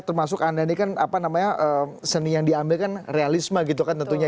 termasuk anda ini kan apa namanya seni yang diambil kan realisme gitu kan tentunya